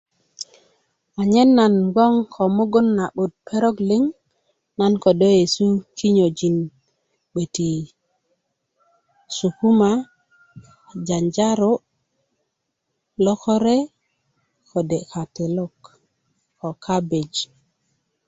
anyen nan gboŋ ko mugun na'but perok liŋ nanködö nyedu kinyojin gbeti sokums janjaru lokore kode' katelok ko kabeji